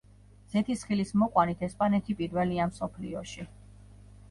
ზეთისხილის მოყვანით ესპანეთი პირველია მსოფლიოში.